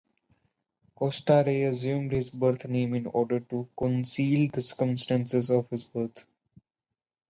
Costa re-assumed his birth name in order to conceal the circumstances of his birth.